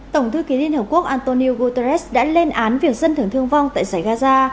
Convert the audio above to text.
tổng thư ký liên hợp quốc antonio guterres đã lên án việc dân thường thương vong tại giải gaza